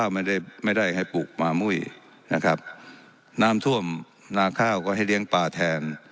ไม่ได้ไม่ได้ให้ปลูกมามุ้ยนะครับน้ำท่วมนาข้าวก็ให้เลี้ยงปลาแทน